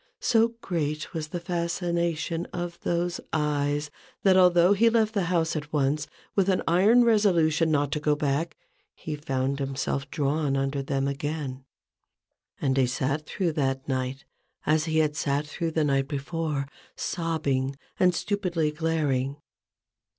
So great was the fascination of those eyes, that, although he left the house at once, with an iron resolution not to go back, he found himself drawn under them again, and he sat through that night as he had sat through the night before, sobbing and stupidly glaring.